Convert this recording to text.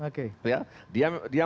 oke ya dia